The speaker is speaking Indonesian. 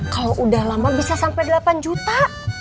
kalo udah lama bisa sampe delapan juta